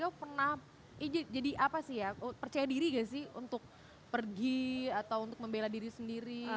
yo pernah jadi apa sih ya percaya diri gak sih untuk pergi atau untuk membela diri sendiri